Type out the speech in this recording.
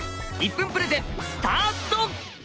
１分プレゼンスタート！